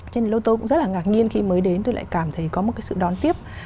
cho nên tôi cũng rất là ngạc nhiên khi mới đến tôi lại cảm thấy có một cái sự đón tiếp